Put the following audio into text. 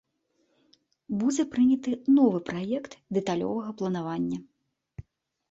Будзе прыняты новы праект дэталёвага планавання.